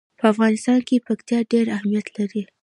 په افغانستان کې پکتیا ډېر اهمیت لري.